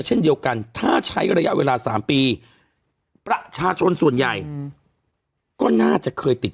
เช่นเดียวกันถ้าใช้ระยะเวลา๓ปีประชาชนส่วนใหญ่ก็น่าจะเคยติด